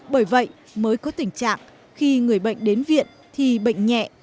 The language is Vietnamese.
bởi vậy mới có tình trạng khi người bệnh đến viện thì bệnh nhẹ